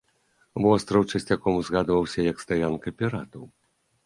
Востраў часцяком узгадваўся як стаянка піратаў.